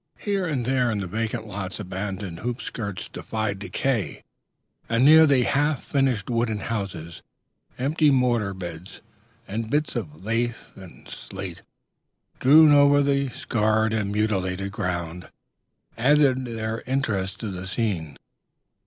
Here and there in the vacant lots abandoned hoop skirts defied decay; and near the half finished wooden houses, empty mortar beds, and bits of lath and slate strewn over the scarred and mutilated ground, added their interest to the scene....